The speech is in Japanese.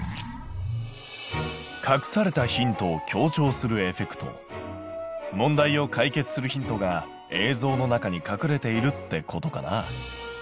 隠されたヒントを強調するエフェクト問題を解決するヒントが映像の中に隠れているってことかな。